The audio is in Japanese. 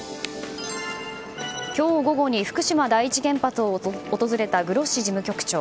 今日午後に福島第一原発を訪れたグロッシ事務局長。